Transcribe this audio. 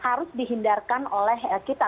harus dihindarkan oleh kita